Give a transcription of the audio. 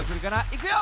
いくよ！